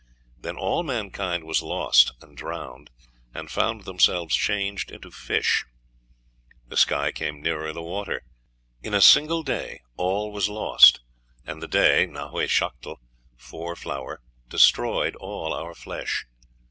Then all mankind was lost and drowned, and found themselves changed into fish. The sky came nearer the water. In a single day all was lost, and the day Nahui xochitl, '4 flower,' destroyed all our flesh.